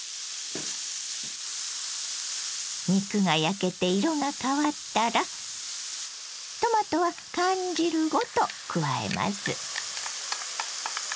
肉が焼けて色が変わったらトマトは缶汁ごと加えます。